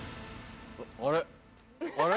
あれ？